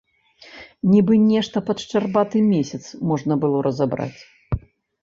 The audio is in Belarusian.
Нібы нешта пад шчарбаты месяц можна было разабраць.